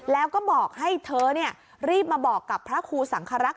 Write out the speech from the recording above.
แล้วก็บอกให้เธอรีบมาบอกกับพระครูสังครักษ